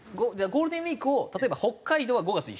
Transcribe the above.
ゴールデンウィークを例えば北海道は５月１週目みたいな。